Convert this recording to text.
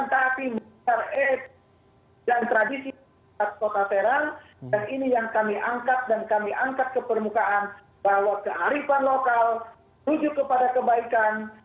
dan ini yang kami angkat dan kami angkat ke permukaan bahwa kearifan lokal rujuk kepada kebaikan